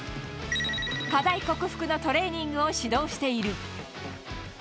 課題克服のトレーニングを指導している。